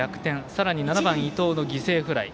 さらに７番、伊藤の犠牲フライ。